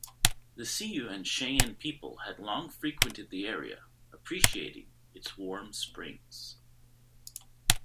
The Sioux and Cheyenne people had long frequented the area, appreciating its warm springs.